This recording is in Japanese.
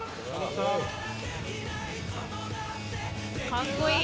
かっこいい！